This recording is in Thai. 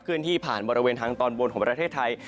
ที่ผ่านบริเวณทางตอนบนของประเทศไทย